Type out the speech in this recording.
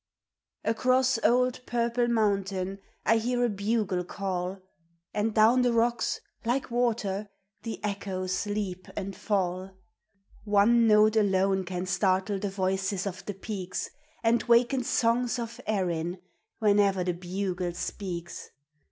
ACROSS old Purple Mountain I hear a bugle call, And down the rocks, like water, the echoes leap and fall. One note alone can startle the voices of the peaks, And waken songs of Erin, whene'er the bugle speaks.